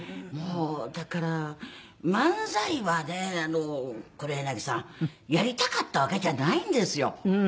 もうだから漫才はね黒柳さんやりたかったわけじゃないんですよ。